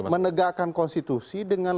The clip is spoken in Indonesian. menegakkan konstitusi dengan